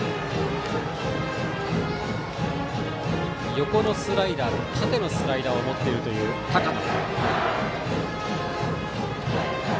横のスライダーと縦のスライダーを持っているという高野。